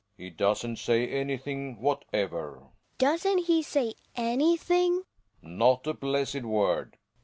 He doesn't say anything whatever. Hedvig. Doesn't he say anything ? Relling. Not a blessed word.